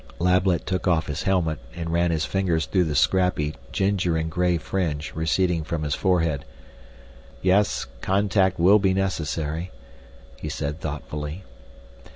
Lablet took off his helmet and ran his fingers through the scrappy ginger and gray fringe receding from his forehead. "Yes contact will be necessary " he said thoughtfully.